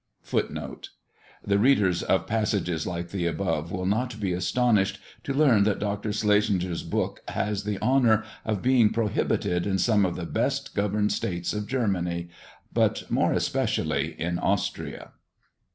[F] [F] The readers of passages like the above will not be astonished to learn that Dr. Schlesinger's book has the honour of being prohibited in some of the best governed states of Germany, but more especially in Austria.